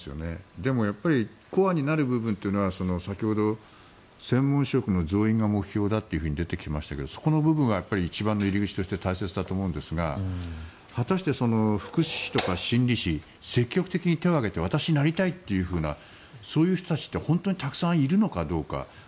でもやっぱりコアになる部分というのは専門職の増員が目標だと出てきましたがその部分が一番の入り口として大切だと思いますが福祉司とか心理士積極的に手を挙げて私、なりたいというふうなそういう人たちって本当にたくさんいるのかどうか。